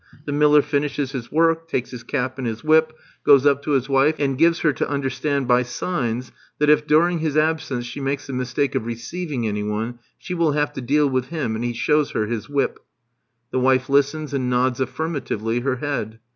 The miller finishes his work, takes his cap and his whip, goes up to his wife, and gives her to understand by signs, that if during his absence she makes the mistake of receiving any one, she will have to deal with him and he shows her his whip. The wife listens, and nods affirmatively her head.